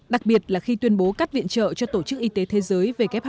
đặc biệt là khi tuyên bố cắt viện trợ cho tổ chức y tế thế giới